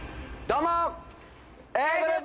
どうも！